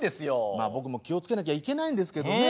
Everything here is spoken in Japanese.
まあ僕も気を付けなきゃいけないんですけどね。